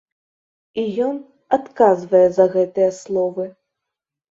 І ён адказвае за гэтыя словы.